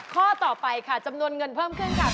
ข้อต่อไปค่ะจำนวนเงินเพิ่มขึ้นค่ะ